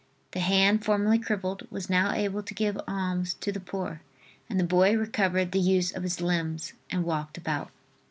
The hand formerly crippled was now able to give alms to the poor and the boy recovered the use of his limbs and walked about.